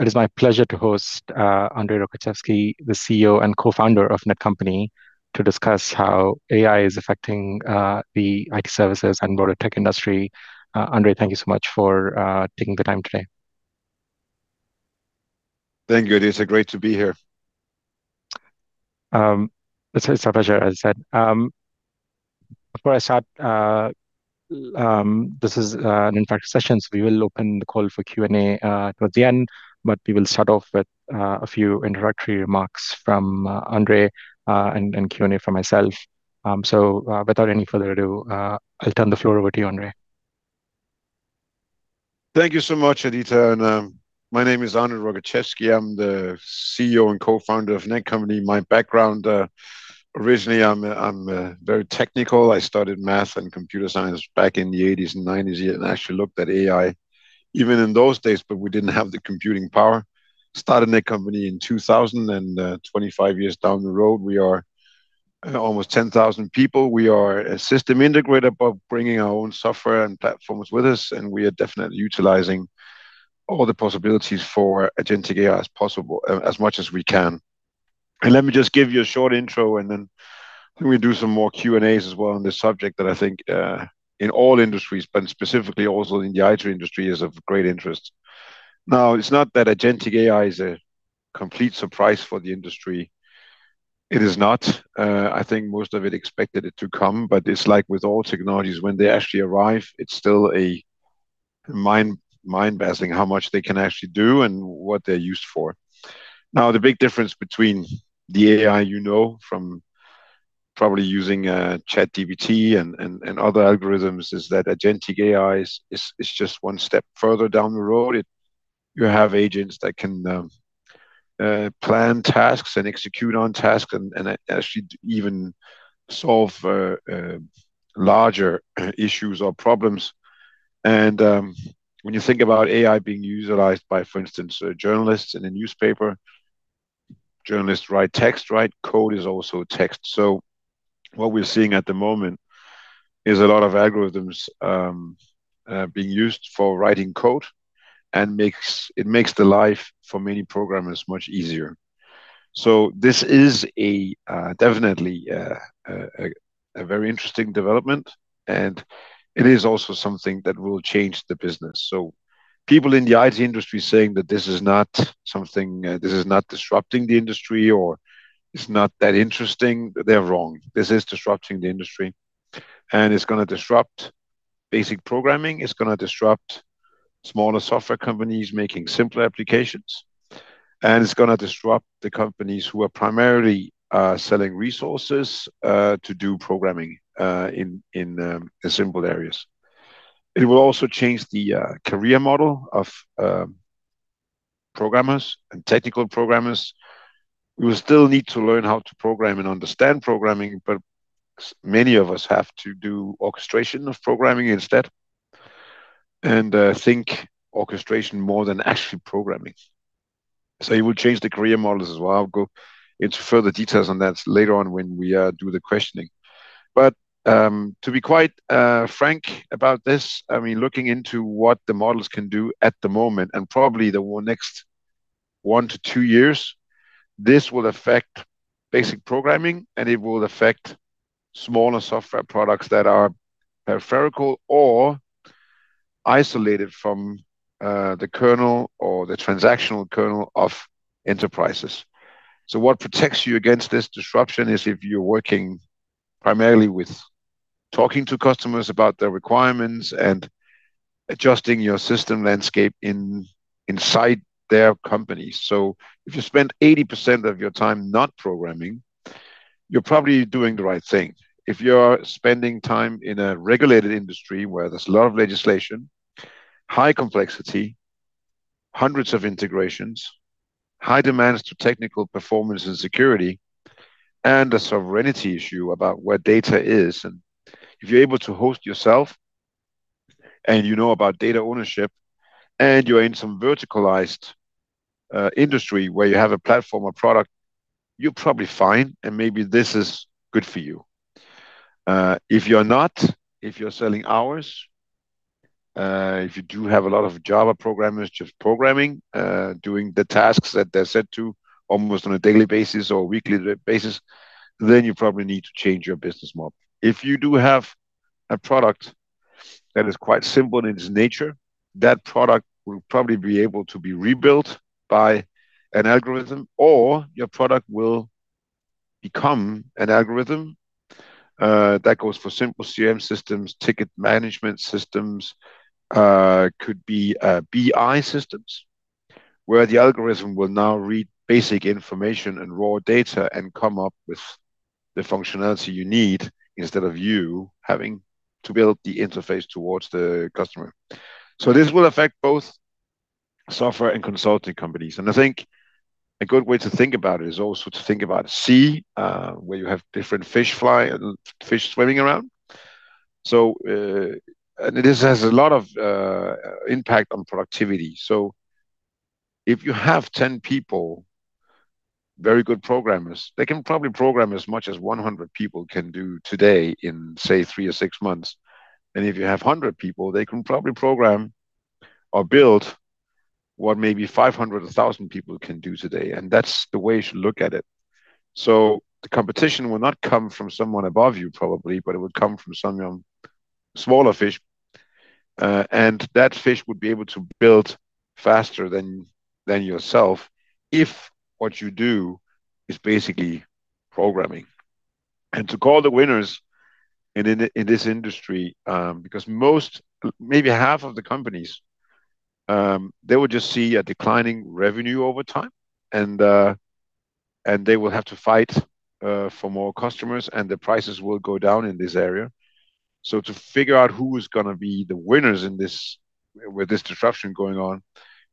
It is my pleasure to host André Rogaczewski, the CEO and Co-Founder of Netcompany, to discuss how AI is affecting the IT services and broader tech industry. André, thank you so much for taking the time today. Thank you, Aditya. Great to be here. It's a pleasure, as I said. Before I start, this is an interactive session, so we will open the call for Q&A towards the end, but we will start off with a few introductory remarks from André, and Q&A from myself. Without any further ado, I'll turn the floor over to you, André. Thank you so much, Aditya. My name is André Rogaczewski. I'm the CEO and Co-Founder of Netcompany. My background, originally, I'm very technical. I studied math and computer science back in the 80s and 90s and actually looked at AI even in those days, but we didn't have the computing power. Started Netcompany in 2000 and 25 years down the road, we are almost 10,000 people. We are a system integrator, but bringing our own software and platforms with us, and we are definitely utilizing all the possibilities for agentic AI as possible, as much as we can. Let me just give you a short intro and then maybe we do some more Q&As as well on this subject that I think in all industries, but specifically also in the IT industry, is of great interest. Now, it's not that agentic AI is a complete surprise for the industry. It is not. I think most of it expected it to come, but it's like with all technologies, when they actually arrive, it's still a mind-boggling how much they can actually do and what they're used for. Now, the big difference between the AI you know from probably using ChatGPT and other algorithms is that agentic AI is just one step further down the road. You have agents that can plan tasks and execute on tasks and actually even solve larger issues or problems. When you think about AI being utilized by, for instance, journalists in a newspaper, journalists write text, right? Code is also text. What we're seeing at the moment is a lot of algorithms being used for writing code and it makes the life for many programmers much easier. This is definitely a very interesting development, and it is also something that will change the business. People in the IT industry saying that this is not disrupting the industry or it's not that interesting, they're wrong. This is disrupting the industry, and it's gonna disrupt basic programming, it's gonna disrupt smaller software companies making simpler applications, and it's gonna disrupt the companies who are primarily selling resources to do programming in simple areas. It will also change the career model of programmers and technical programmers. We will still need to learn how to program and understand programming, but so many of us have to do orchestration of programming instead and think orchestration more than actually programming. It will change the career models as well. I'll go into further details on that later on when we do the questioning. To be quite frank about this, I mean, looking into what the models can do at the moment and probably the next one to two years, this will affect basic programming, and it will affect smaller software products that are peripheral or isolated from the kernel or the transactional kernel of enterprises. What protects you against this disruption is if you're working primarily with talking to customers about their requirements and adjusting your system landscape inside their company. If you spend 80% of your time not programming, you're probably doing the right thing. If you're spending time in a regulated industry where there's a lot of legislation, high complexity, hundreds of integrations, high demands to technical performance and security, and a sovereignty issue about where data is, and if you're able to host yourself and you know about data ownership and you're in some verticalized, industry where you have a platform or product, you're probably fine, and maybe this is good for you. If you're not, if you're selling hours, if you do have a lot of Java programmers just programming, doing the tasks that they're set to almost on a daily basis or weekly basis, then you probably need to change your business model. If you do have a product that is quite simple in its nature, that product will probably be able to be rebuilt by an algorithm or your product will become an algorithm. That goes for simple CRM systems, ticket management systems, could be BI systems where the algorithm will now read basic information and raw data and come up with the functionality you need instead of you having to build the interface towards the customer. This will affect both software and consulting companies. I think a good way to think about it is also to think about sea where you have different fish swimming around. This has a lot of impact on productivity. If you have 10 very good programmers, they can probably program as much as 100 people can do today in, say, three or six months. If you have 100 people, they can probably program or build what maybe 500,000 people can do today. That's the way you should look at it. The competition will not come from someone above you probably, but it would come from some smaller fish. That fish would be able to build faster than yourself if what you do is basically programming. To call the winners in this industry, because most, maybe half of the companies, they would just see a declining revenue over time, and they will have to fight for more customers, and the prices will go down in this area. To figure out who is gonna be the winners in this with this disruption going on,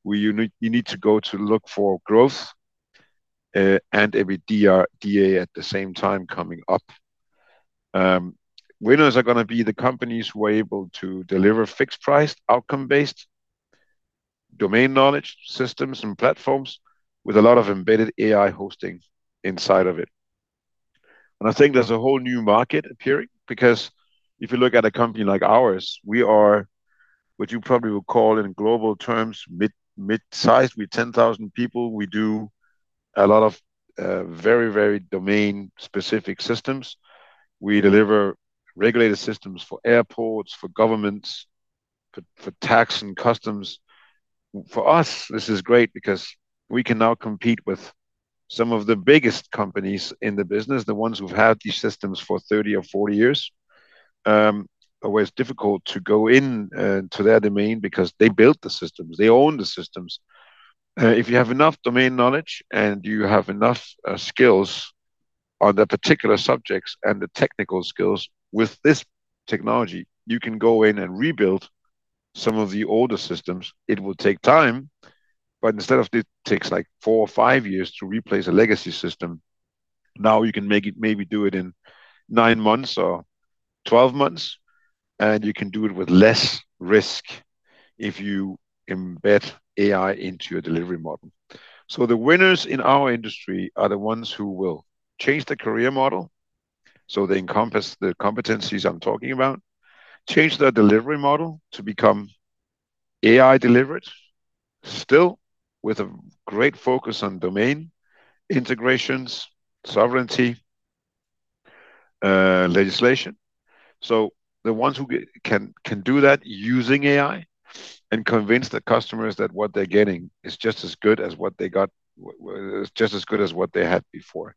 you need to look for growth and everything at the same time coming up. Winners are gonna be the companies who are able to deliver fixed price, outcome-based domain knowledge systems and platforms with a lot of embedded AI hosting inside of it. I think there's a whole new market appearing, because if you look at a company like ours, we are what you probably would call in global terms mid-sized. We're 10,000 people. We do a lot of very domain-specific systems. We deliver regulated systems for airports, for governments, for tax and customs. For us, this is great because we can now compete with some of the biggest companies in the business, the ones who've had these systems for 30 or 40 years, where it's difficult to go in to their domain because they built the systems, they own the systems. If you have enough domain knowledge and you have enough skills on the particular subjects and the technical skills, with this technology, you can go in and rebuild some of the older systems. It will take time, but instead of it takes like four or five years to replace a legacy system, now you can make it. Maybe do it in nine months or 12 months, and you can do it with less risk if you embed AI into your delivery model. The winners in our industry are the ones who will change the career model, so they encompass the competencies I'm talking about, change their delivery model to become AI delivered, still with a great focus on domain, integrations, sovereignty, legislation. The ones who can do that using AI and convince the customers that what they're getting is just as good as what they had before.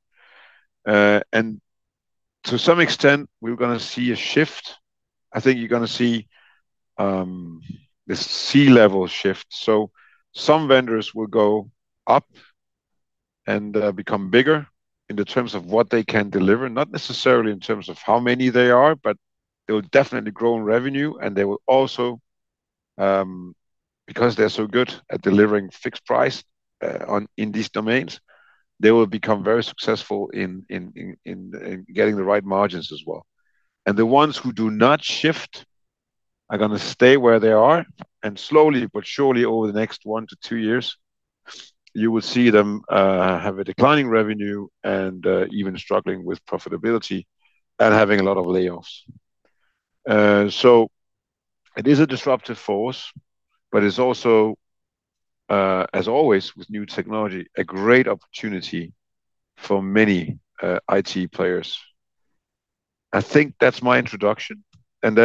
To some extent, we're gonna see a shift. I think you're gonna see the C level shift. Some vendors will go up and become bigger in the terms of what they can deliver, not necessarily in terms of how many they are, but they will definitely grow in revenue, and they will also because they're so good at delivering fixed price in these domains, they will become very successful in getting the right margins as well. The ones who do not shift are gonna stay where they are, and slowly but surely over the next one to two years, you will see them have a declining revenue and even struggling with profitability and having a lot of layoffs. It is a disruptive force, but it's also as always with new technology, a great opportunity for many IT players. I think that's my introduction. Let's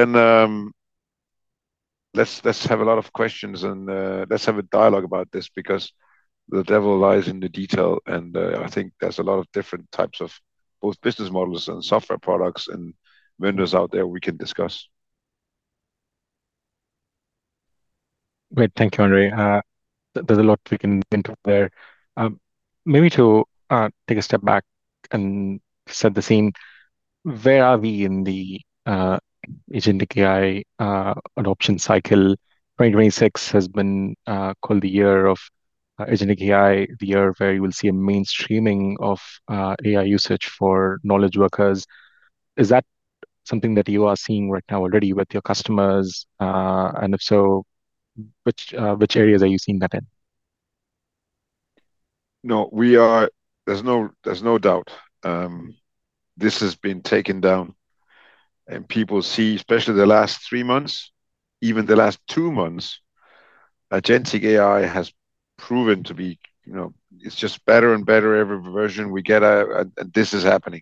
have a lot of questions and let's have a dialogue about this because the devil lies in the detail, and I think there's a lot of different types of both business models and software products and vendors out there we can discuss. Great. Thank you, André. There's a lot we can interpret there. Maybe to take a step back and set the scene, where are we in the agentic AI adoption cycle? 2026 has been called the year of agentic AI, the year where you will see a mainstreaming of AI usage for knowledge workers. Is that something that you are seeing right now already with your customers? If so, which areas are you seeing that in? There's no doubt this has been taken down. People see, especially the last three months, even the last two months, agentic AI has proven to be, you know, it's just better and better every version we get out, and this is happening.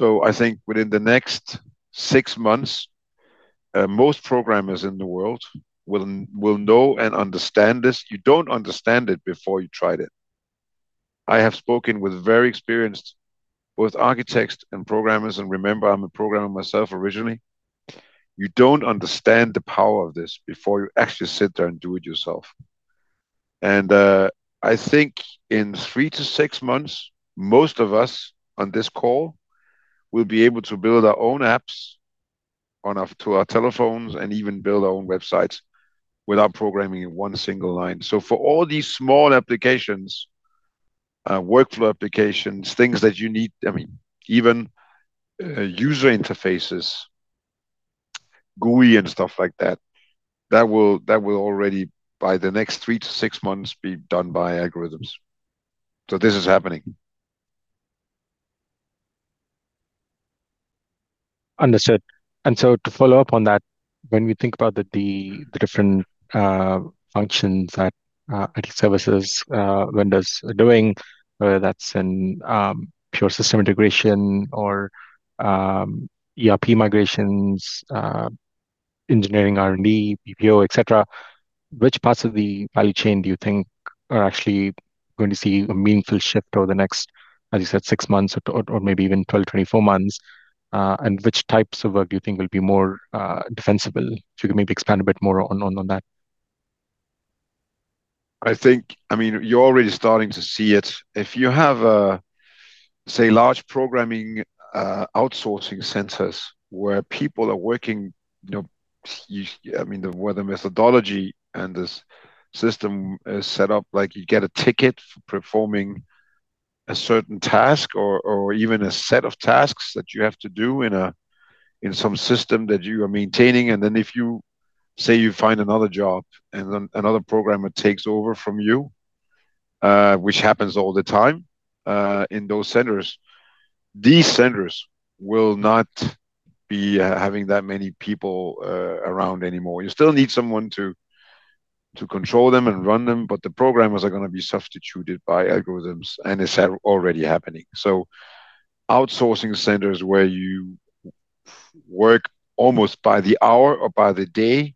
I think within the next six months, most programmers in the world will know and understand this. You don't understand it before you tried it. I have spoken with very experienced both architects and programmers, and remember, I'm a programmer myself originally. You don't understand the power of this before you actually sit there and do it yourself. I think in three to six months, most of us on this call will be able to build our own apps to our telephones and even build our own websites without programming one single line. For all these small applications, workflow applications, things that you need, I mean, even, user interfaces, GUI and stuff like that will already by the next 3-6 months be done by algorithms. This is happening. Understood. To follow up on that, when we think about the different functions that IT services vendors are doing, whether that's in pure system integration or ERP migrations, engineering R&D, BPO, et cetera, which parts of the value chain do you think are actually going to see a meaningful shift over the next, as you said, 6 months or maybe even 12, 24 months? Which types of work do you think will be more defensible? If you could maybe expand a bit more on that. I mean, you're already starting to see it. If you have a, say, large programming outsourcing centers where people are working, you know, I mean, where the methodology and this system is set up like you get a ticket for performing a certain task or even a set of tasks that you have to do in some system that you are maintaining, and then if you, say, you find another job and another programmer takes over from you, which happens all the time in those centers, these centers will not be having that many people around anymore. You still need someone to control them and run them, but the programmers are gonna be substituted by algorithms, and it's already happening. Outsourcing centers where you work almost by the hour or by the day,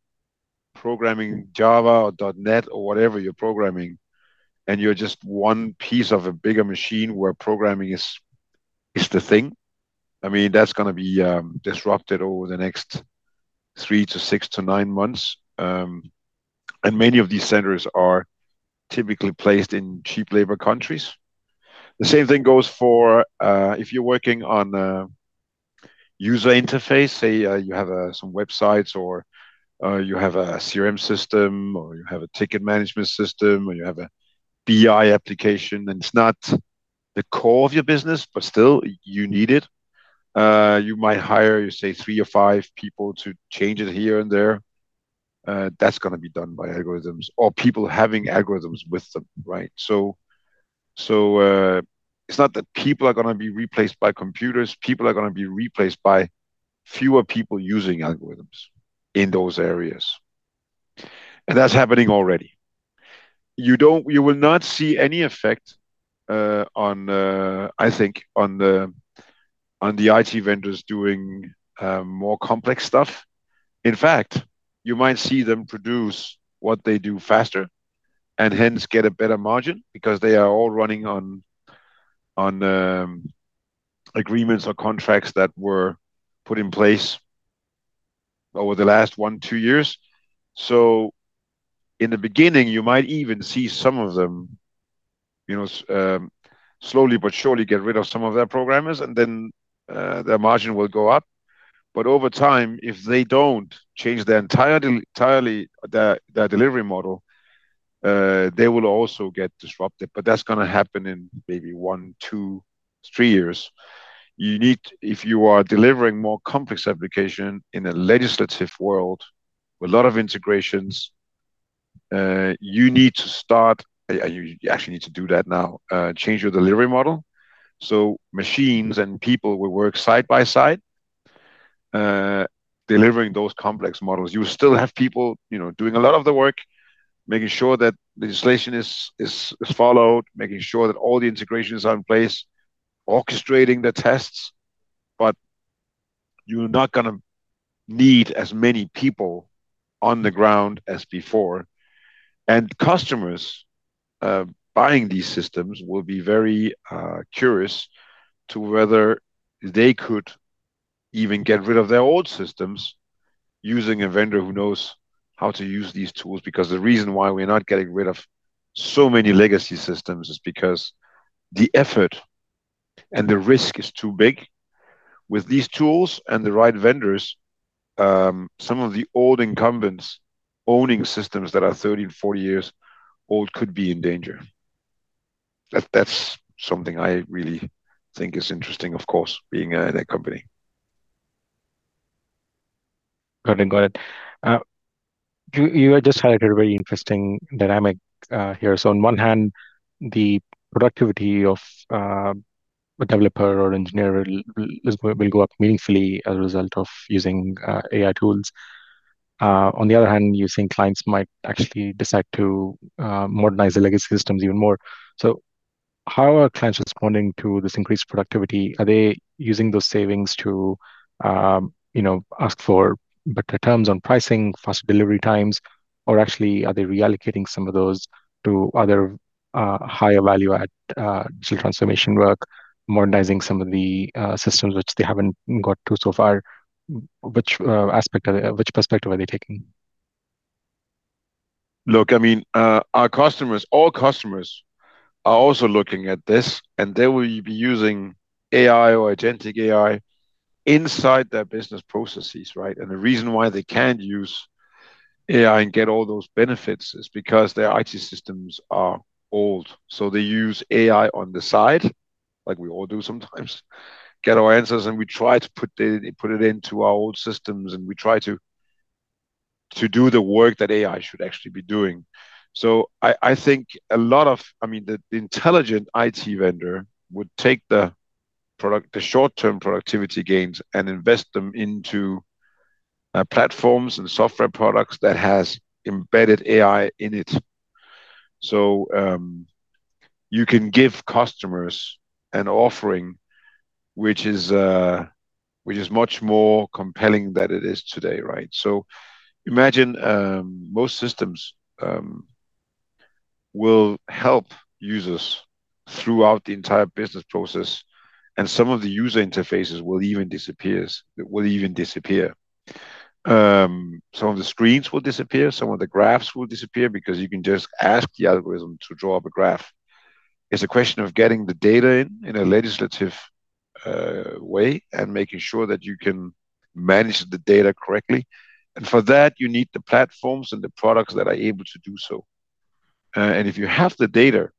programming Java or .NET or whatever you're programming, and you're just one piece of a bigger machine where programming is the thing. I mean, that's gonna be disrupted over the next three to six to nine months. Many of these centers are typically placed in cheap labor countries. The same thing goes for if you're working on a user interface, say, you have some websites or you have a CRM system or you have a ticket management system or you have a BI application and it's not the core of your business, but still you need it. You might hire, say, three or five people to change it here and there. That's gonna be done by algorithms or people having algorithms with them, right? It's not that people are gonna be replaced by computers. People are gonna be replaced by fewer people using algorithms in those areas. That's happening already. You will not see any effect on, I think, on the IT vendors doing more complex stuff. In fact, you might see them produce what they do faster and hence get a better margin because they are all running on agreements or contracts that were put in place over the last one, two years. In the beginning, you might even see some of them, you know, slowly but surely get rid of some of their programmers and then their margin will go up. Over time, if they don't change entirely their delivery model, they will also get disrupted. That's gonna happen in maybe one, two, three years. If you are delivering more complex application in a legislative world with a lot of integrations, you need to start, you actually need to do that now, change your delivery model, so machines and people will work side by side, delivering those complex models. You will still have people, you know, doing a lot of the work, making sure that legislation is followed, making sure that all the integration is in place, orchestrating the tests, but you're not gonna need as many people on the ground as before. Customers buying these systems will be very curious as to whether they could even get rid of their old systems using a vendor who knows how to use these tools, because the reason why we're not getting rid of so many legacy systems is because the effort and the risk is too big. With these tools and the right vendors, some of the old incumbents owning systems that are 30 and 40 years old could be in danger. That's something I really think is interesting, of course, being in a company. Got it. You just highlighted a very interesting dynamic here. On one hand, the productivity of a developer or engineer will go up meaningfully as a result of using AI tools. On the other hand, you think clients might actually decide to modernize the legacy systems even more. How are clients responding to this increased productivity? Are they using those savings to, you know, ask for better terms on pricing, faster delivery times, or actually are they reallocating some of those to other higher value add digital transformation work, modernizing some of the systems which they haven't got to so far? Which perspective are they taking? Look, I mean, our customers, all customers are also looking at this, and they will be using AI or agentic AI inside their business processes, right? The reason why they can't use AI and get all those benefits is because their IT systems are old. They use AI on the side, like we all do sometimes, get our answers, and we try to put it into our old systems, and we try to do the work that AI should actually be doing. I think the intelligent IT vendor would take the short-term productivity gains and invest them into platforms and software products that has embedded AI in it. You can give customers an offering which is much more compelling than it is today, right? Imagine most systems will help users throughout the entire business process, and some of the user interfaces will even disappear. Some of the screens will disappear, some of the graphs will disappear because you can just ask the algorithm to draw up a graph. It's a question of getting the data in a legible way and making sure that you can manage the data correctly. For that, you need the platforms and the products that are able to do so. If you have the data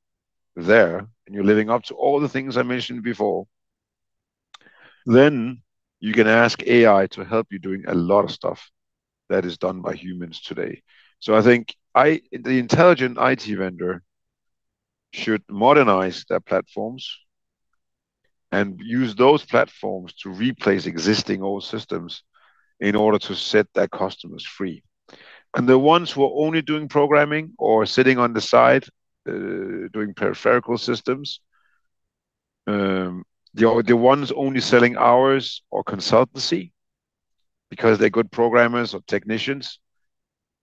there, and you're living up to all the things I mentioned before, then you can ask AI to help you doing a lot of stuff that is done by humans today. I think the intelligent IT vendor should modernize their platforms and use those platforms to replace existing old systems in order to set their customers free. The ones who are only doing programming or sitting on the side, doing peripheral systems, the ones only selling hours or consultancy because they're good programmers or technicians,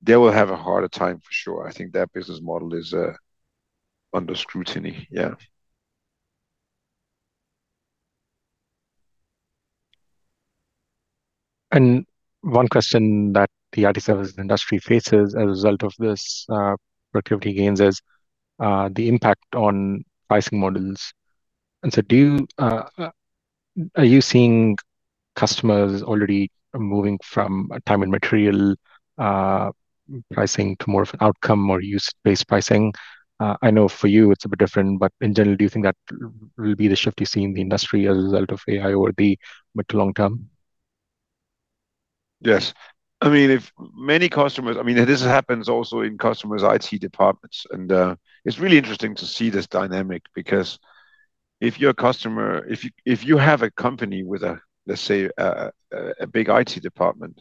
they will have a harder time for sure. I think that business model is under scrutiny. One question that the IT services industry faces as a result of this productivity gains is the impact on pricing models. Are you seeing customers already moving from a time and material pricing to more of an outcome or use-based pricing? I know for you it's a bit different, but in general, do you think that will be the shift you see in the industry as a result of AI over the mid to long term? Yes. I mean, if many customers, I mean, this happens also in customers' IT departments, and it's really interesting to see this dynamic because if you have a company with, let's say, a big IT department,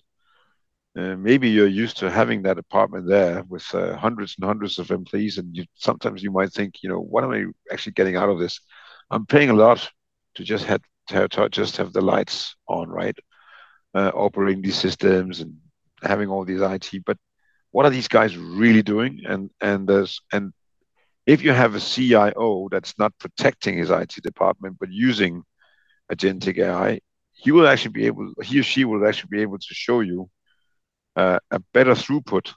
maybe you're used to having that department there with hundreds and hundreds of employees, and sometimes you might think, you know, "What am I actually getting out of this? I'm paying a lot to just have the lights on," right? Operating these systems and having all these IT. "But what are these guys really doing?" And there's. If you have a CIO that's not protecting his IT department, but using agentic AI, he or she will actually be able to show you a better throughput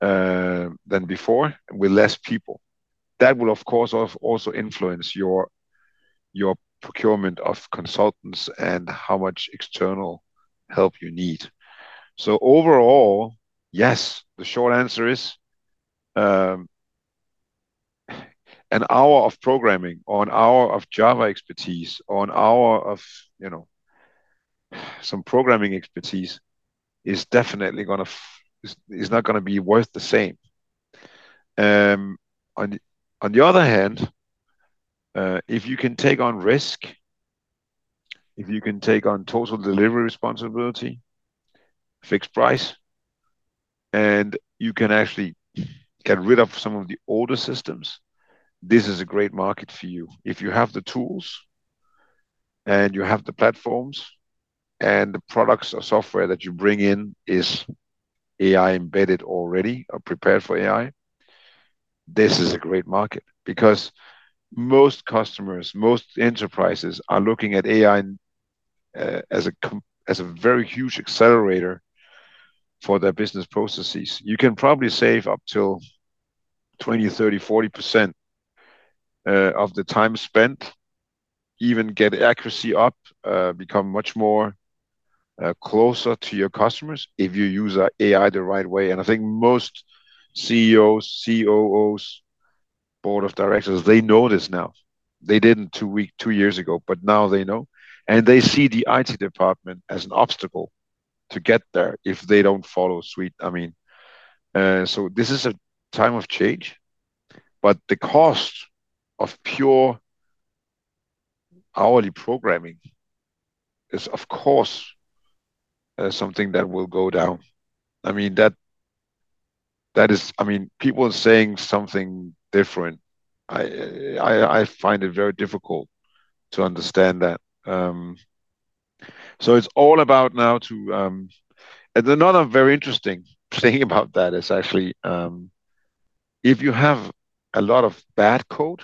than before with less people. That will of course also influence your procurement of consultants and how much external help you need. Overall, yes, the short answer is, an hour of programming or an hour of Java expertise or an hour of, you know, some programming expertise is definitely not gonna be worth the same. On the other hand, if you can take on risk, if you can take on total delivery responsibility, fixed price, and you can actually get rid of some of the older systems, this is a great market for you. If you have the tools and you have the platforms, and the products or software that you bring in is AI embedded already or prepared for AI, this is a great market. Because most customers, most enterprises are looking at AI as a very huge accelerator for their business processes. You can probably save up to 20%, 30%, 40% of the time spent, even get accuracy up, become much more closer to your customers if you use AI the right way. I think most CEOs, COOs, board of directors, they know this now. They didn't two years ago, but now they know, and they see the IT department as an obstacle to get there if they don't follow suit. I mean, this is a time of change, but the cost of pure hourly programming is, of course, something that will go down. I mean, that is. I mean, people are saying something different. I find it very difficult to understand that. It's all about now. Another very interesting thing about that is actually, if you have a lot of bad code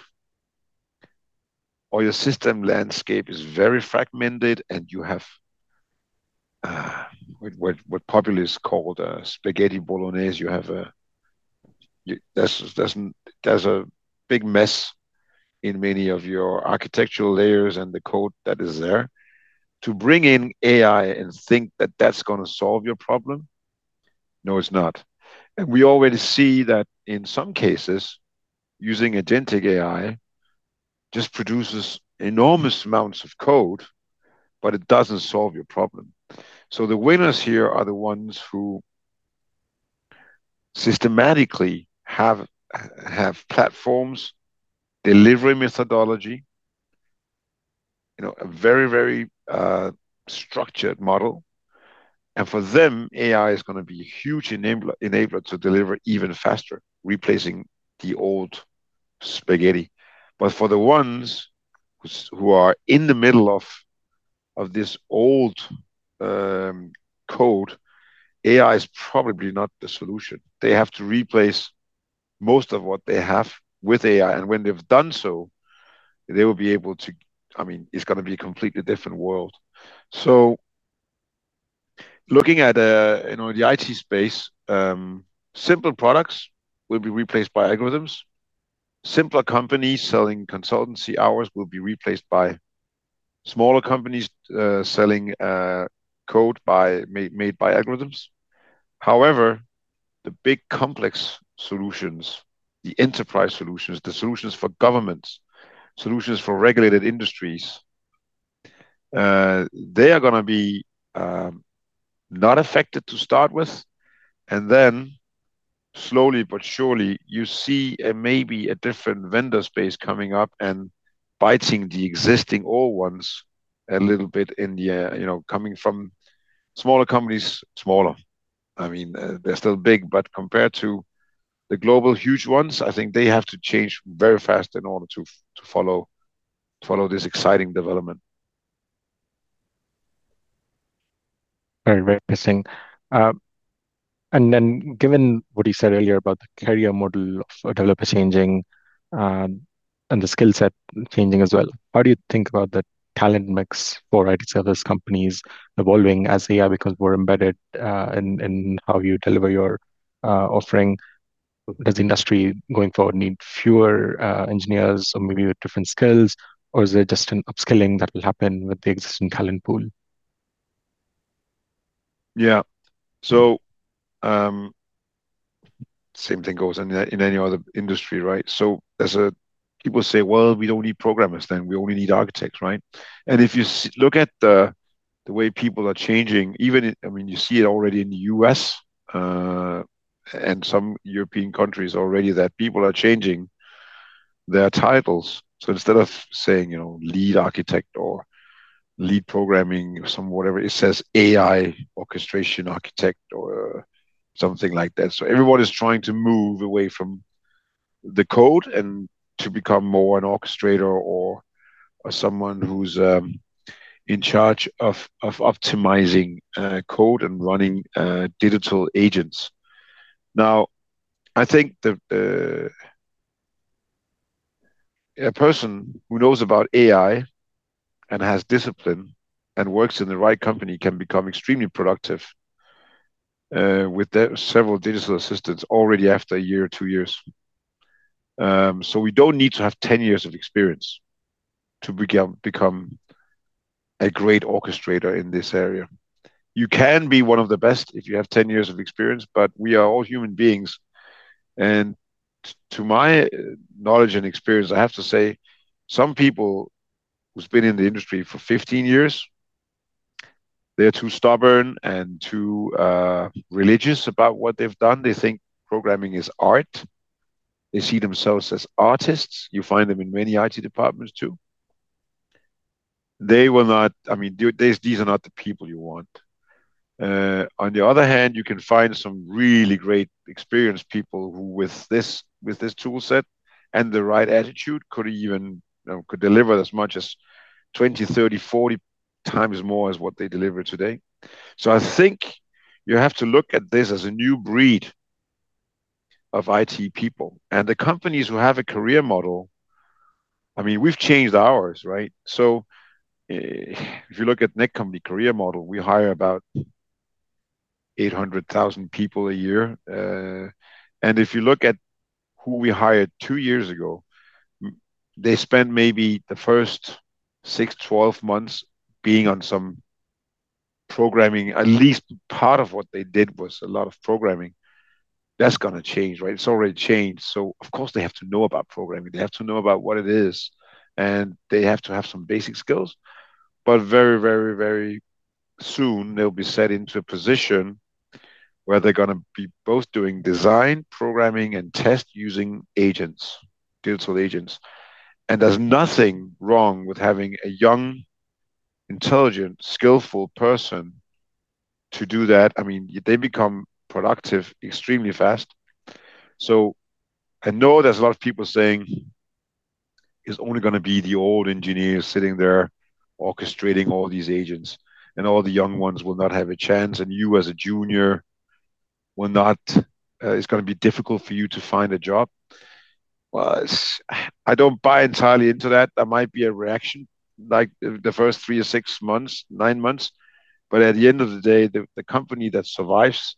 or your system landscape is very fragmented and you have what popularly is called spaghetti bolognese, there's a big mess in many of your architectural layers and the code that is there. To bring in AI and think that that's gonna solve your problem, no, it's not. We already see that in some cases, using agentic AI just produces enormous amounts of code, but it doesn't solve your problem. The winners here are the ones who systematically have platforms, delivery methodology, you know, a very structured model. For them, AI is gonna be a huge enabler to deliver even faster, replacing the old spaghetti. For the ones who are in the middle of this old code, AI is probably not the solution. They have to replace most of what they have with AI, and when they've done so, they will be able to. I mean, it's gonna be a completely different world. Looking at, you know, the IT space, simple products will be replaced by algorithms. Simpler companies selling consultancy hours will be replaced by smaller companies selling code by. Made by algorithms. However, the big complex solutions, the enterprise solutions, the solutions for governments, solutions for regulated industries, they are gonna be not affected to start with, and then slowly but surely, you see a maybe a different vendor space coming up and biting the existing old ones a little bit in the, you know, coming from smaller companies. Smaller. I mean, they're still big, but compared to the global huge ones, I think they have to change very fast in order to follow this exciting development. Very, very interesting. Given what you said earlier about the career model of a developer changing, and the skill set changing as well, how do you think about the talent mix for IT service companies evolving as AI becomes more embedded, in how you deliver your offering? Does the industry going forward need fewer engineers or maybe with different skills, or is it just an upskilling that will happen with the existing talent pool? Yeah. Same thing goes in any other industry, right? People say, "Well, we don't need programmers then. We only need architects," right? If you look at the way people are changing, even in I mean you see it already in the U.S. and some European countries already that people are changing their titles. Instead of saying, you know, lead architect or lead programming or some whatever, it says AI orchestration architect or something like that. Everyone is trying to move away from the code and to become more an orchestrator or someone who's in charge of optimizing code and running digital agents. I think a person who knows about AI and has discipline and works in the right company can become extremely productive with the several digital assistants already after a year or two years. We don't need to have 10 years of experience to become a great orchestrator in this area. You can be one of the best if you have 10 years of experience, but we are all human beings. To my knowledge and experience, I have to say, some people who've been in the industry for 15 years, they're too stubborn and too religious about what they've done. They think programming is art. They see themselves as artists. You find them in many IT departments too. They will not. I mean, these are not the people you want. On the other hand, you can find some really great experienced people who, with this tool set and the right attitude, could even, you know, could deliver as much as 20, 30, 40x more than what they deliver today. I think you have to look at this as a new breed of IT people. The companies who have a career model. I mean, we've changed ours, right? If you look at Netcompany career model, we hire about 800,000 people a year. If you look at who we hired two years ago, they spent maybe the first six, 12 months being on some programming. At least part of what they did was a lot of programming. That's gonna change, right? It's already changed. Of course, they have to know about programming. They have to know about what it is, and they have to have some basic skills. Very, very, very soon they'll be set into a position where they're gonna be both doing design, programming, and test using agents, digital agents. There's nothing wrong with having a young, intelligent, skillful person to do that. I mean, they become productive extremely fast. I know there's a lot of people saying it's only gonna be the old engineers sitting there orchestrating all these agents, and all the young ones will not have a chance, and you as a junior will not, it's gonna be difficult for you to find a job. Well, it's I don't buy entirely into that. That might be a reaction, like the first three to six months, nine months. At the end of the day, the company that survives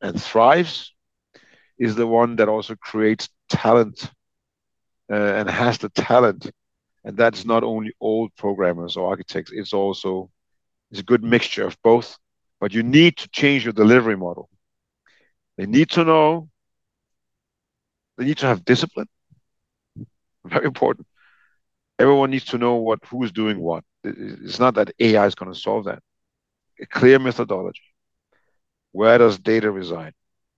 and thrives is the one that also creates talent and has the talent. That's not only old programmers or architects, it's also a good mixture of both. You need to change your delivery model. They need to know. They need to have discipline, very important. Everyone needs to know what who is doing what. It's not that AI's gonna solve that. A clear methodology. Where does data reside?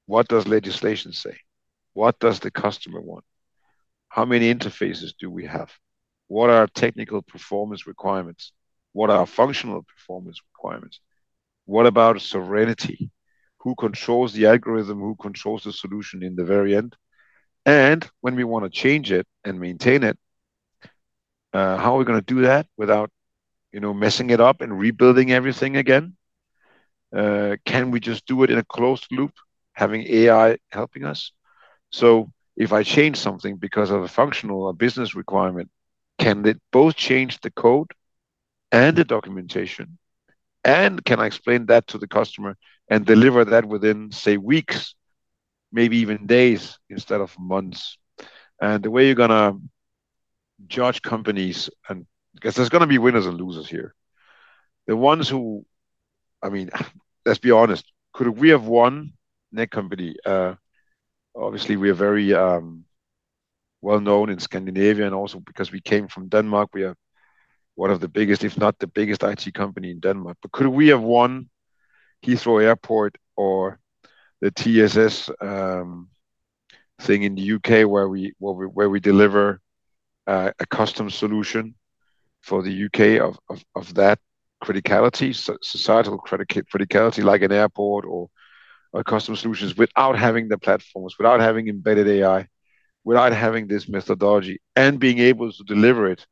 What does legislation say? What does the customer want? How many interfaces do we have? What are our technical performance requirements? What are our functional performance requirements? What about sovereignty? Who controls the algorithm? Who controls the solution in the very end? When we wanna change it and maintain it, how are we gonna do that without, you know, messing it up and rebuilding everything again? Can we just do it in a closed loop, having AI helping us? If I change something because of a functional or business requirement, can it both change the code and the documentation, and can I explain that to the customer and deliver that within, say, weeks, maybe even days, instead of months? The way you're gonna judge companies. 'Cause there's gonna be winners and losers here. I mean, let's be honest, could we have won Netcompany? Obviously, we are very well-known in Scandinavia and also because we came from Denmark, we are one of the biggest, if not the biggest IT company in Denmark. Could we have won Heathrow Airport or the TSS thing in the U.K. where we deliver a custom solution for the U.K. of that criticality, so societal criticality, like an airport or custom solutions without having the platforms, without having embedded AI, without having this methodology and being able to deliver it,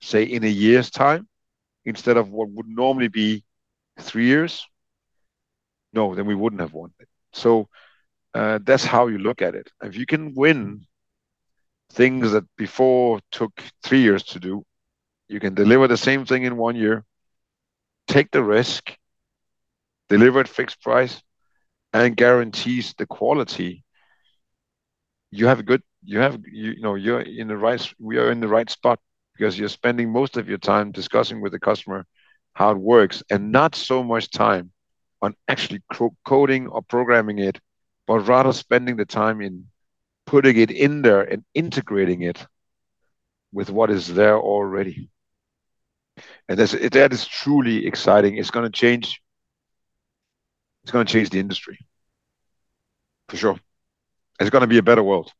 say, in a year's time instead of what would normally be three years? No, then we wouldn't have won it. That's how you look at it. If you can win things that before took three years to do, you can deliver the same thing in one year, take the risk, deliver at fixed price, and guarantees the quality, you have a good. We are in the right spot because you're spending most of your time discussing with the customer how it works, and not so much time on actually coding or programming it but rather spending the time in putting it in there and integrating it with what is there already. That's truly exciting. It's gonna change the industry for sure. It's gonna be a better world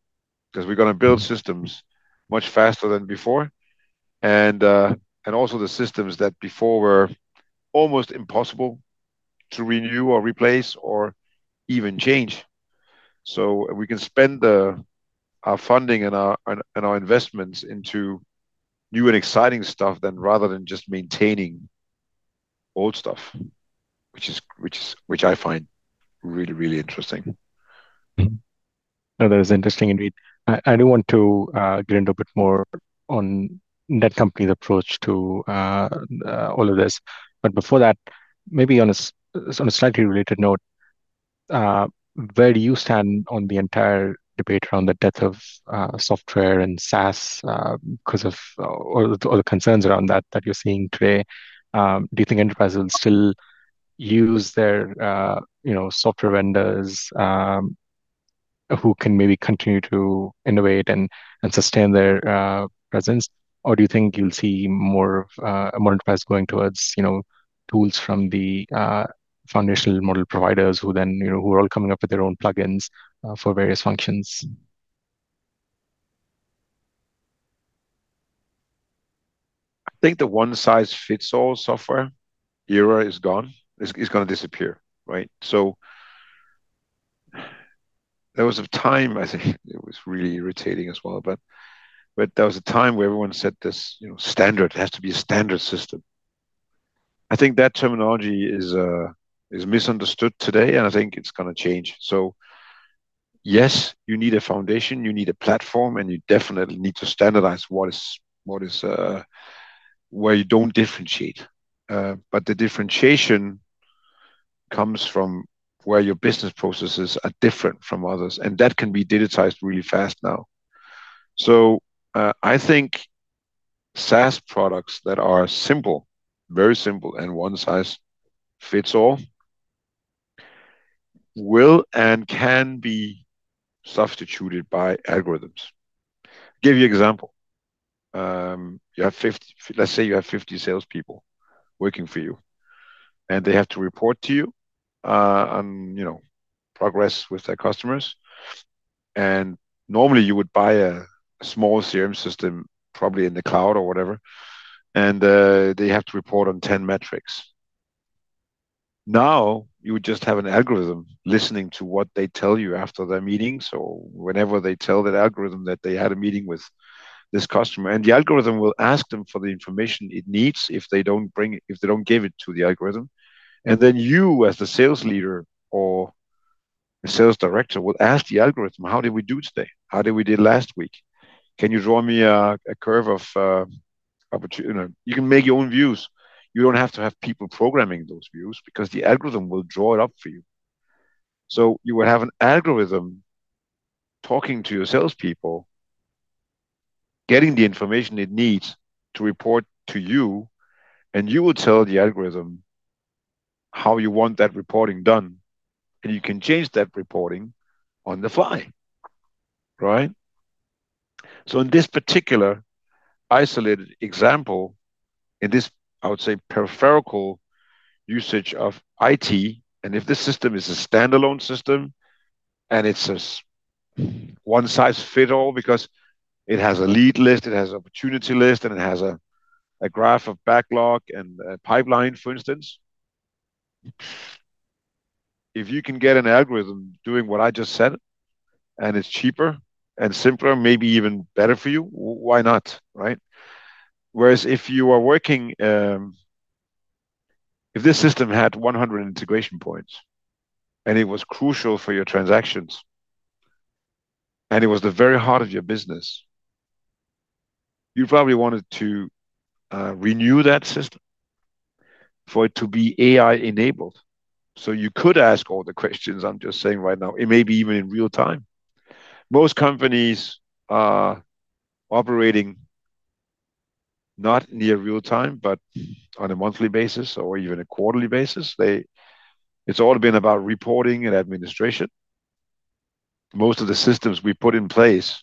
'cause we're gonna build systems much faster than before and also the systems that before were almost impossible to renew or replace or even change. We can spend our funding and our investments into new and exciting stuff than rather than just maintaining old stuff, which I find really interesting. No, that is interesting indeed. I do want to get into a bit more on Netcompany's approach to all of this. Before that, maybe on a slightly related note, where do you stand on the entire debate around the death of software and SaaS 'cause of all the concerns around that that you're seeing today? Do you think enterprises will still use their you know software vendors who can maybe continue to innovate and sustain their presence, or do you think you'll see more of more enterprises going towards you know tools from the foundational model providers who then you know who are all coming up with their own plugins for various functions? I think the one-size-fits-all software era is gone. It's gonna disappear, right? There was a time, I think it was really irritating as well, but there was a time where everyone said this, you know, standard, it has to be a standard system. I think that terminology is misunderstood today, and I think it's gonna change. Yes, you need a foundation, you need a platform, and you definitely need to standardize what is where you don't differentiate. The differentiation comes from where your business processes are different from others, and that can be digitized really fast now. I think SaaS products that are simple, very simple, and one size fits all will and can be substituted by algorithms. Give you example. Let's say you have 50 salespeople working for you, and they have to report to you on, you know, progress with their customers. Normally you would buy a small CRM system, probably in the cloud or whatever, and they have to report on 10 metrics. Now, you would just have an algorithm listening to what they tell you after their meetings or whenever they tell that algorithm that they had a meeting with this customer, and the algorithm will ask them for the information it needs if they don't bring it, if they don't give it to the algorithm. You as the sales leader or the sales director will ask the algorithm, "How did we do today? How did we do last week? Can you draw me a curve of opportunities, you know?" You can make your own views. You don't have to have people programming those views because the algorithm will draw it up for you. You will have an algorithm talking to your salespeople, getting the information it needs to report to you, and you will tell the algorithm how you want that reporting done, and you can change that reporting on the fly, right? In this particular isolated example, in this, I would say, peripheral usage of IT, and if this system is a standalone system, and it's a one size fit all because it has a lead list, it has an opportunity list, and it has a graph of backlog and a pipeline, for instance, if you can get an algorithm doing what I just said, and it's cheaper and simpler, maybe even better for you, why not, right? Whereas if you are working, If this system had 100 integration points and it was crucial for your transactions, and it was the very heart of your business, you probably wanted to renew that system for it to be AI-enabled, so you could ask all the questions I'm just saying right now, and maybe even in real time. Most companies are operating not near real time, but on a monthly basis or even a quarterly basis. It's all been about reporting and administration. Most of the systems we put in place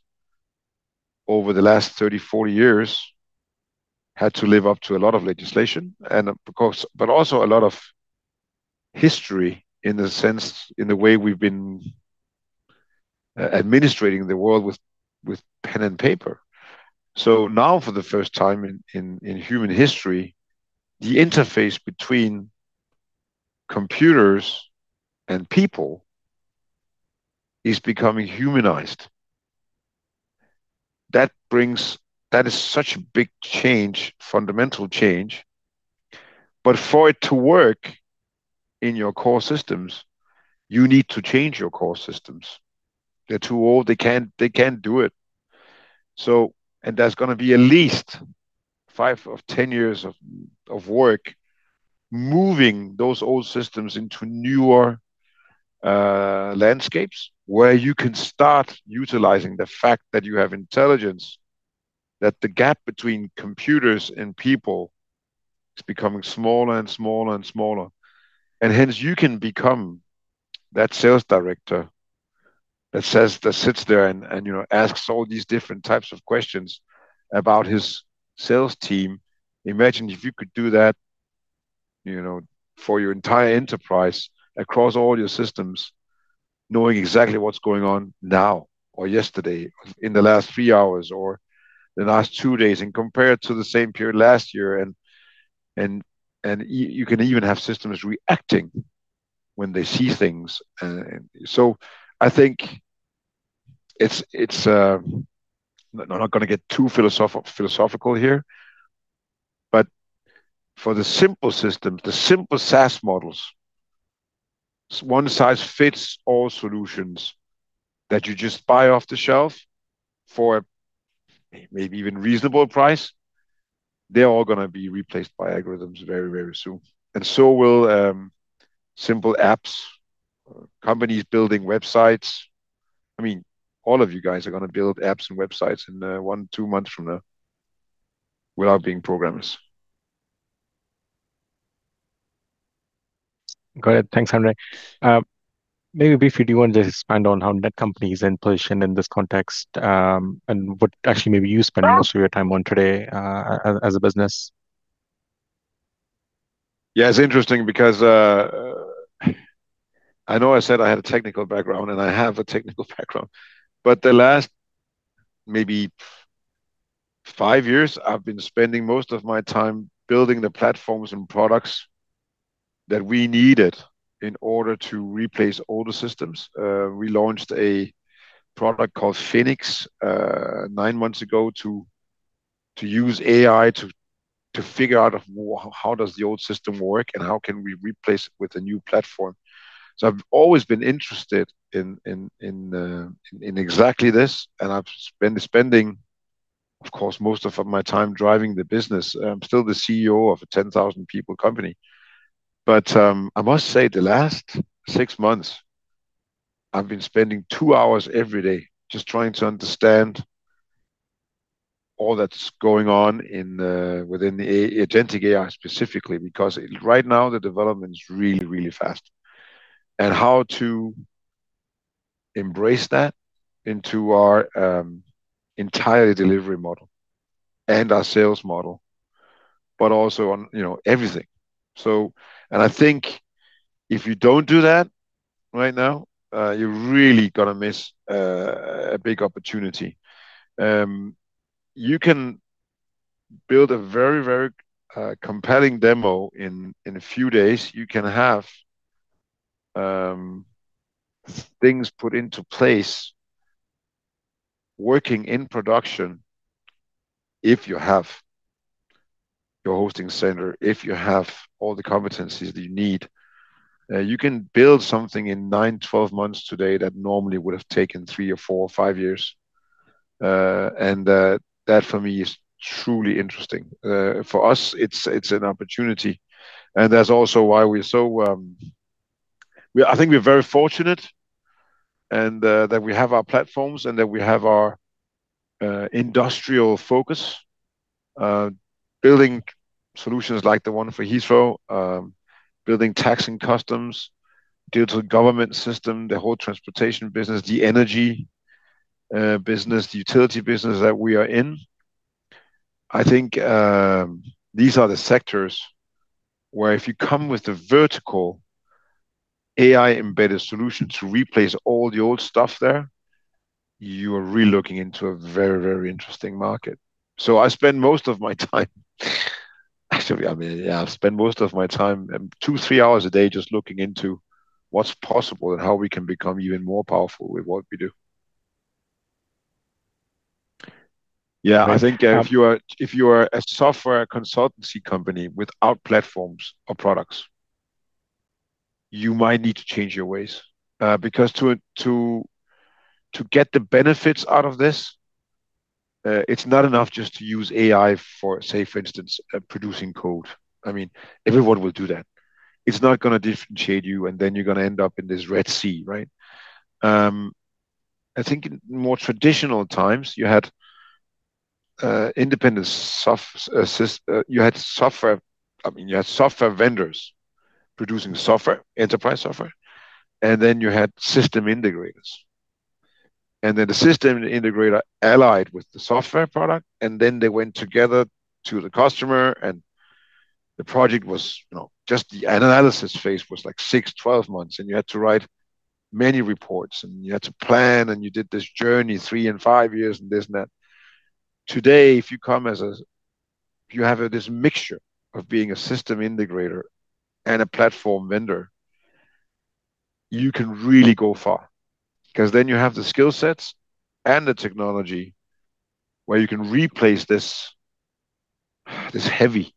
over the last 30, 40 years had to live up to a lot of legislation and, of course, but also a lot of history in the sense, in the way we've been administering the world with pen and paper. Now for the first time in human history, the interface between computers and people is becoming humanized. That is such a big change, fundamental change. For it to work in your core systems, you need to change your core systems. They're too old. They can't do it. There's gonna be at least five or 10 years of work moving those old systems into newer landscapes where you can start utilizing the fact that you have intelligence, that the gap between computers and people is becoming smaller and smaller and smaller. Hence, you can become that sales director that says, that sits there and you know, asks all these different types of questions about his sales team. Imagine if you could do that for your entire enterprise across all your systems, knowing exactly what's going on now or yesterday or in the last three hours or the last two days and compare it to the same period last year and you can even have systems reacting when they see things. I think I'm not gonna get too philosophical here, but for the simple systems, the simple SaaS models, one size fits all solutions that you just buy off the shelf for maybe even reasonable price, they're all gonna be replaced by algorithms very, very soon. Simple apps, companies building websites. I mean, all of you guys are gonna build apps and websites in one to two months from now without being programmers. Go ahead. Thanks, André. Maybe briefly, do you wanna just expand on how Netcompany is in position in this context, and what actually maybe you spend most of your time on today, as a business? Yeah. It's interesting because I know I said I had a technical background, and I have a technical background, but the last maybe five years, I've been spending most of my time building the platforms and products that we needed in order to replace older systems. We launched a product called Feniks AI nine months ago to use AI to figure out how the old system works and how we can replace it with a new platform. I've always been interested in exactly this, and I've been spending, of course, most of my time driving the business. I'm still the CEO of a 10,000 people company. I must say the last six months, I've been spending two hours every day just trying to understand all that's going on within the agentic AI specifically, because right now the development is really fast, and how to embrace that into our entire delivery model and our sales model, but also on everything. I think if you don't do that right now, you're really gonna miss a big opportunity. You can build a very compelling demo in a few days. You can have things put into place, working in production, if you have your hosting center, if you have all the competencies that you need, you can build something in nine to 12 months today that normally would have taken three or four, five years. That for me is truly interesting. For us, it's an opportunity, and that's also why we're so I think we're very fortunate and that we have our platforms and that we have our industrial focus, building solutions like the one for Heathrow, building tax and customs duty for the government system, the whole transportation business, the energy business, the utility business that we are in. I think these are the sectors where if you come with the vertical AI-embedded solution to replace all the old stuff there, you are really looking into a very, very interesting market. Actually, I mean, yeah, I spend most of my time two, three hours a day just looking into what's possible and how we can become even more powerful with what we do. Yeah, I think if you are a software consultancy company without platforms or products, you might need to change your ways. Because to get the benefits out of this, it's not enough just to use AI for, say, for instance, producing code. I mean, everyone will do that. It's not gonna differentiate you, and then you're gonna end up in this Red Sea, right? I think in more traditional times, you had independent software vendors producing software, enterprise software, and then you had system integrators. Then the system integrator allied with the software product, and then they went together to the customer and the project was, you know, just the analysis phase was like six,12 months, and you had to write many reports, and you had to plan, and you did this journey three and five years and this and that. Today, if you have this mixture of being a system integrator and a platform vendor, you can really go far. 'Cause then you have the skill sets and the technology where you can replace this heavy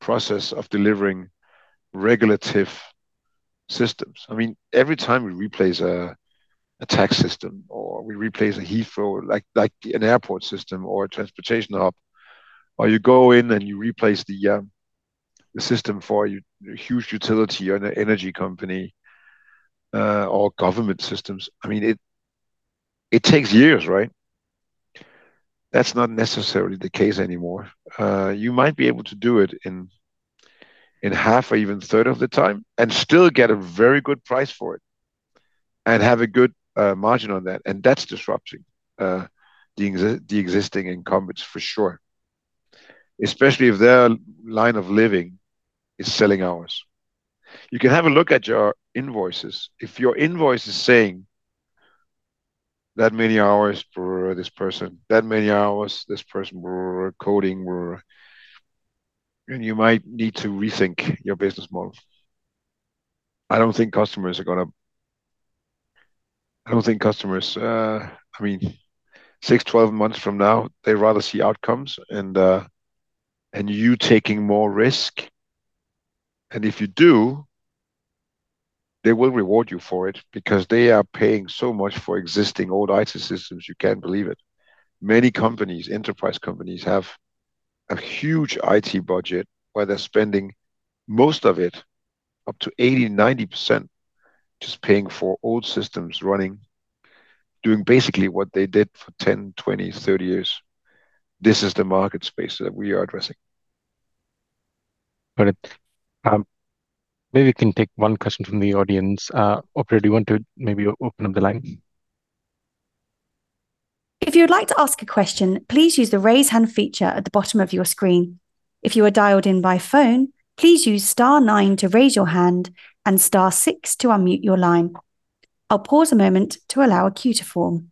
process of delivering regulatory systems. I mean, every time we replace a tax system or we replace a Heathrow, like an airport system or a transportation hub, or you go in and you replace the system for a huge utility or an energy company, or government systems, I mean, it takes years, right? That's not necessarily the case anymore. You might be able to do it in half or even a third of the time and still get a very good price for it and have a good margin on that, and that's disrupting the existing incumbents for sure, especially if their livelihood is selling hours. You can have a look at your invoices. If your invoice is saying that many hours for this person, that many hours this person were coding or... You might need to rethink your business model. I don't think customer are gonna– I mean, six, 12 months from now, they rather see outcomes and you taking more risk. If you do, they will reward you for it because they are paying so much for existing old IT systems, you can't believe it. Many companies, enterprise companies, have a huge IT budget where they're spending most of it, up to 80%, 90%, just paying for old systems running, doing basically what they did for 10, 20, 30 years. This is the market space that we are addressing. Got it. Maybe we can take one question from the audience. Operator, do you want to maybe open up the line? If you would like to ask a question, please use the raise hand feature at the bottom of your screen. If you are dialed in by phone, please use star nine to raise your hand and star six to unmute your line. I'll pause a moment to allow a queue to form.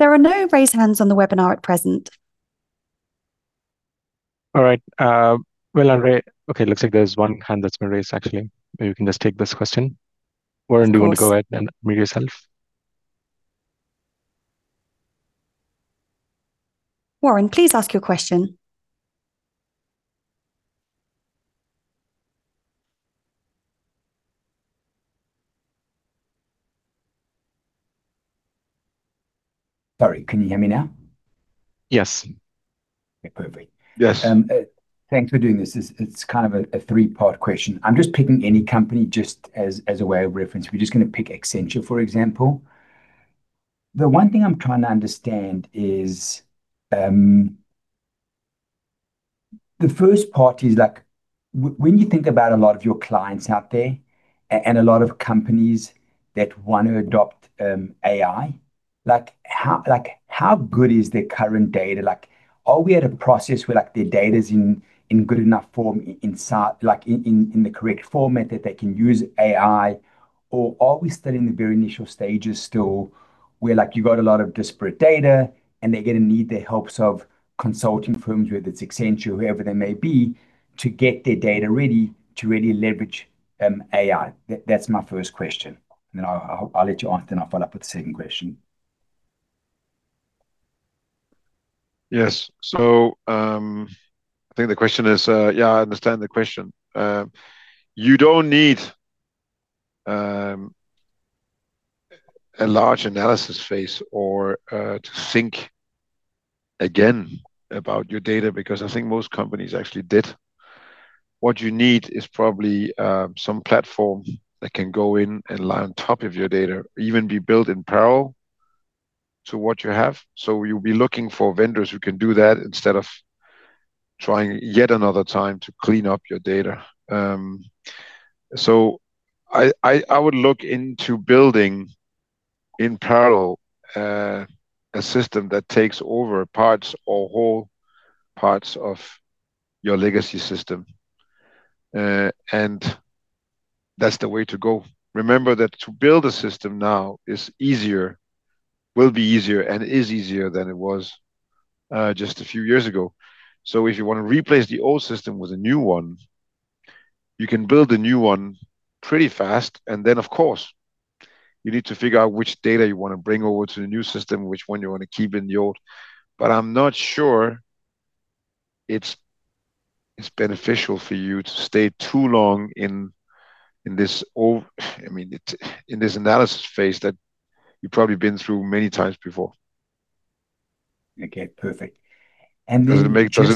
There are no raised hands on the webinar at present. All right. Well, André... Okay, looks like there's one hand that's been raised, actually. Maybe you can just take this question. Warren, do you want to go ahead and unmute yourself? Warren, please ask your question. Sorry, can you hear me now? Yes. Okay. Perfect. Yes. Thanks for doing this. This is kind of a three-part question. I'm just picking any company just as a way of reference. We're just gonna pick Accenture, for example. The one thing I'm trying to understand is the first part is like when you think about a lot of your clients out there and a lot of companies that want to adopt AI, like, how good is their current data like, are we at a process where, like, their data's in good enough form inside, like in the correct format that they can use AI, or are we still in the very initial stages still? Where, like, you got a lot of disparate data, and they're gonna need the help of consulting firms, whether it's Accenture, whoever they may be, to get their data ready to really leverage AI. That's my first question. Then I'll let you answer, then I'll follow up with the second question. Yes. I think the question is. Yeah, I understand the question. You don't need a large analysis phase or to think again about your data because I think most companies actually did. What you need is probably some platform that can go in and layer on top of your data, even be built in parallel to what you have. You'll be looking for vendors who can do that instead of trying yet another time to clean up your data. I would look into building in parallel a system that takes over parts or whole parts of your legacy system. That's the way to go. Remember that to build a system now is easier, will be easier and is easier than it was just a few years ago. If you wanna replace the old system with a new one, you can build a new one pretty fast. Then, of course, you need to figure out which data you wanna bring over to the new system, which one you wanna keep in the old. I'm not sure it's beneficial for you to stay too long in this analysis phase that you've probably been through many times before. Okay. Perfect. Does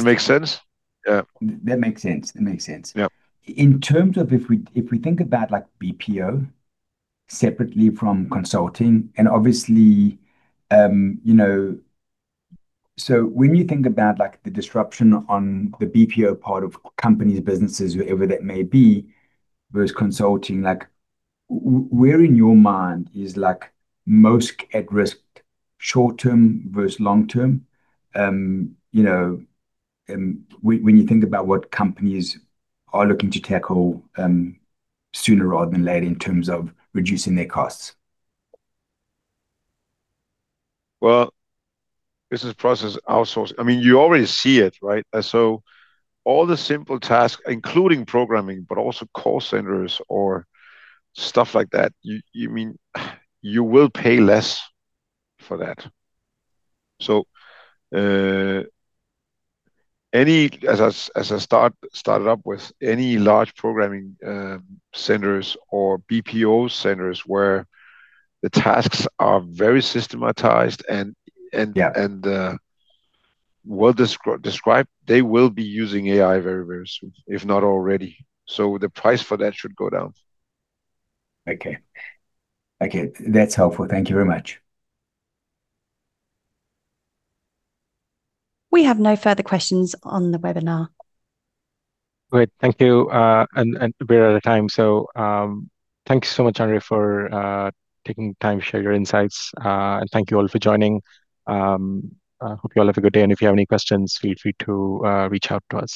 it make sense? Yeah. That makes sense. Yeah. In terms of if we think about, like, BPO separately from consulting, and obviously, you know when you think about, like, the disruption on the BPO part of companies, businesses, whoever that may be, versus consulting, like, where in your mind is, like, most at risk short term versus long term, you know, when you think about what companies are looking to tackle, sooner rather than later in terms of reducing their costs? Well, I mean, you already see it, right? All the simple tasks, including programming, but also call centers or stuff like that, you mean you will pay less for that. As I started up with, any large programming centers or BPO centers where the tasks are very systematized and. Yeah Well-described, they will be using AI very, very soon, if not already. The price for that should go down. Okay. That's helpful. Thank you very much. We have no further questions on the webinar. Great. Thank you. We are out of time. Thank you so much, André, for taking the time to share your insights, and thank you all for joining. Hope you all have a good day, and if you have any questions, feel free to reach out to us.